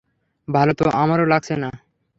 ভালো তো আমারও লাগছে না।